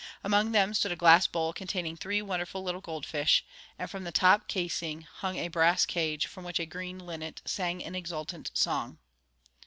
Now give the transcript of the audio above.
Among them stood a glass bowl, containing three wonderful little gold fish, and from the top casing hung a brass cage, from which a green linnet sang an exultant song.